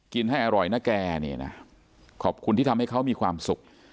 ให้อร่อยนะแกเนี่ยนะขอบคุณที่ทำให้เขามีความสุข